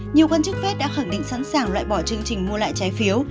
nhiều quan chức fed đã khẳng định sẵn sàng loại bỏ chương trình mua lại trái phiếu